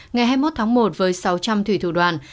ngày hai mươi một tháng một với sáu trăm linh thủy thủ đoàn